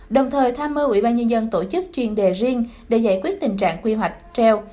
đồng thời tham mơ ủy ban nhân dân tổ chức chuyên đề riêng để giải quyết tình trạng quy hoạch treo